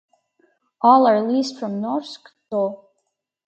All are leased from Norske Tog.